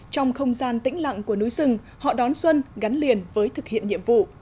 trong không gian tĩnh lặng của núi rừng họ đón xuân gắn liền với thực hiện nhiệm vụ